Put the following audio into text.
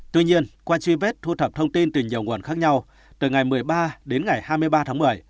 tuy nhiên qua truy vết thu thập thông tin từ nhiều nguồn khác nhau từ ngày một mươi ba đến ngày hai mươi ba tháng một mươi